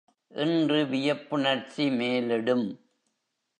என்று வியப்புணர்ச்சி மேலிடும்.